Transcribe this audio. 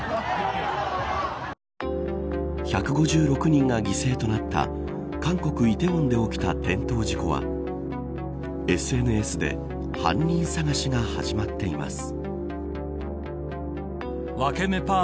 １５６人が犠牲となった韓国、梨泰院で起きた転倒事故はＳＮＳで犯人探しが始まっています。